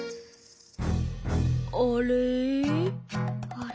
「あれ？」。